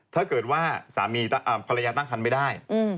ถ้าเกิดว่าสามีภรรยาตั้งคันไม่ได้